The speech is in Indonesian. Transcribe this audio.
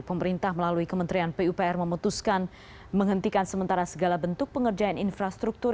pemerintah melalui kementerian pupr memutuskan menghentikan sementara segala bentuk pengerjaan infrastruktur